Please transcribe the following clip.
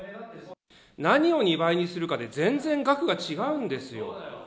何を２倍にするかで全然額が違うんですよ。